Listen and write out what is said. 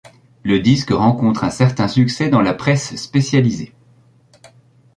Le disque rencontre un certain succès dans la presse spécialisée.